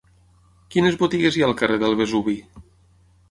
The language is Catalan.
Quines botigues hi ha al carrer del Vesuvi?